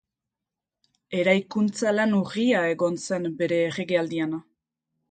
Eraikuntza lan urria egon zen bere erregealdian.